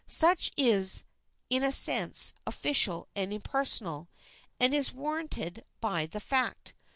Such exchange is, in a sense, official and impersonal, and is warranted by that fact.